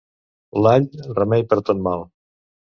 L'all, remei per tot mal.